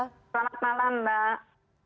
selamat malam mbak